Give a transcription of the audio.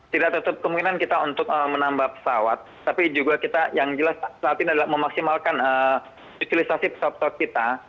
tidak tetap kemungkinan kita untuk menambah pesawat tapi juga kita yang jelas saat ini adalah memaksimalkan utilisasi pesawat pesawat kita